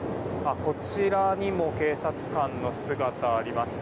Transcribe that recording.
こちらにも警察官の姿があります。